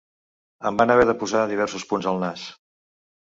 Em van haver de posar diversos punts al nas.